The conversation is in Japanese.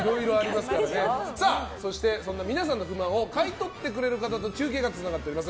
そんな皆さんの不満を買い取ってくれる方と中継がつながっています。